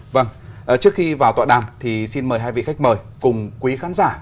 vâng trước khi vào tọa đàm thì xin mời hai vị khách mời cùng quý khán giả